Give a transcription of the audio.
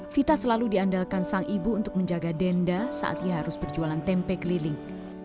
vita selalu diandalkan sang ibu untuk menjaga denda saat ia harus berjualan tempe keliling